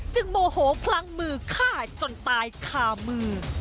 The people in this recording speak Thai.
โมโหพลั้งมือฆ่าจนตายคามือ